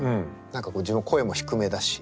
何か自分声も低めだし。